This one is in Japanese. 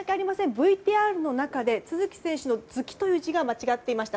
ＶＴＲの中で都筑選手の字が間違っていました。